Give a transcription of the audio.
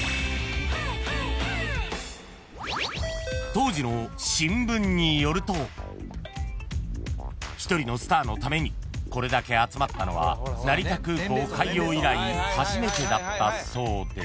［当時の新聞によると一人のスターのためにこれだけ集まったのは成田空港開業以来初めてだったそうで］